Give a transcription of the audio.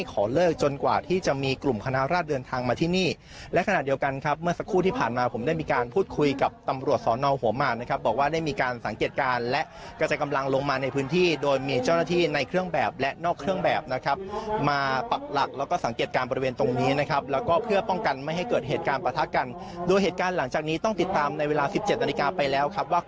ตรวจสอนอ่อหัวหมานะครับบอกว่าได้มีการสังเกตการณ์และก็จะกำลังลงมาในพื้นที่โดยมีเจ้าหน้าที่ในเครื่องแบบและนอกเครื่องแบบนะครับมาปักหลักแล้วก็สังเกตการณ์บริเวณตรงนี้นะครับแล้วก็เพื่อป้องกันไม่ให้เกิดเหตุการณ์ประทักกันด้วยเหตุการณ์หลังจากนี้ต้องติดตามในเวลา๑๗นาฬิกาไปแล้วครับว่